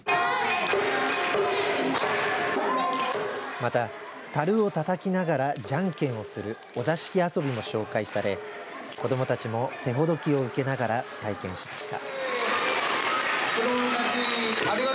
また、たるをたたきながらじゃんけんをするお座敷遊びも紹介され子どもたちも手ほどきを受けながら体験しました。